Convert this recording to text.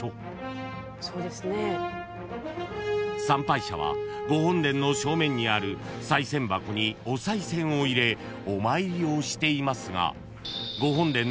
［参拝者はご本殿の正面にあるさい銭箱におさい銭を入れお参りをしていますが］